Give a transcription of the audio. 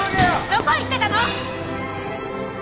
どこ行ってたの？